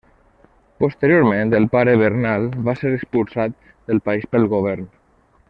Posteriorment el pare Bernal va ser expulsat del país pel govern.